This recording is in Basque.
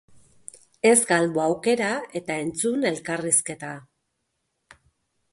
Ez galdu aukera eta entzun elkarrizketa.